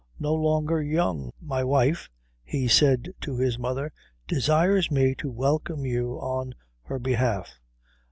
No longer young. My wife," he said to his mother, "desires me to welcome you on her behalf."